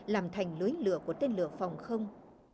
làm thành lưới lửa của tên lửa phòng không